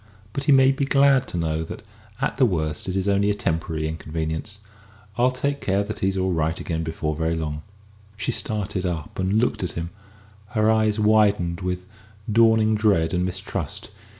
But he may be glad to know that, at the worst, it is only a temporary inconvenience. I'll take care that he's all right again before very long." She started up and looked at him, her eyes widened with dawning dread and mistrust.